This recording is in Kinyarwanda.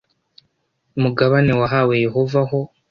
mugabane wahawe yehova ho